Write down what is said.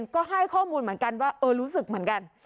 ก็ให้ข้อมูลเหมือนกันว่าเออรู้สึกเหมือนกัน